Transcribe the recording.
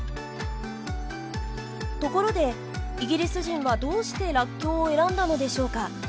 ところでイギリス人はどうしてらっきょうを選んだのでしょうか？